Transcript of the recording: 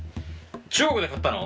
中国で買ったの？